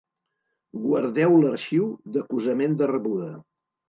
Guardeu l'arxiu d'acusament de rebuda.